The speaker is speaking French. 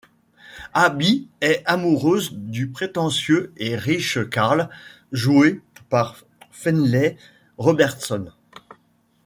Abby est amoureuse du prétentieux et riche Karl, joué par Finlay Robertson.